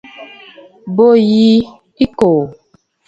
Bo yǝǝ ɨkòò.